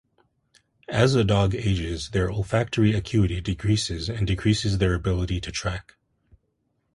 As a dog ages, their olfactory acuity decreases and decreases their ability to track.